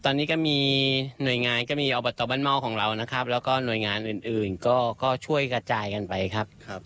ตอนนี้ก็มีหน่วยงานก็มีอบตบ้านเมาของเรานะครับแล้วก็หน่วยงานอื่นก็ช่วยกระจายกันไปครับ